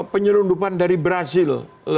penyelundupan dari brazil